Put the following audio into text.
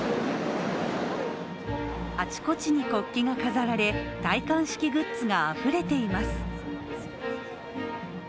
あちこちに国旗が飾られ、戴冠式グッズがあふれています。